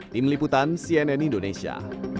tim liputan cnn indonesia